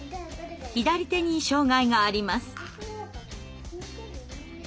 左手に障害があります。